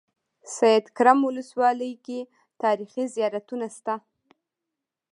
سیدکرم ولسوالۍ کې تاریخي زيارتونه شته.